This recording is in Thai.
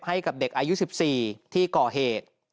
ให้กับเด็กอายุ๑๔ที่ก่อเหตุ